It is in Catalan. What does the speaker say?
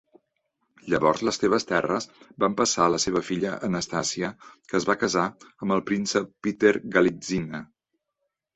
Llavors, les seves terres van passar a la seva filla, Anastasia, que es va casar amb el príncep Peter Galitzine.